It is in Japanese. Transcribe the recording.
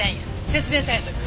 節電対策。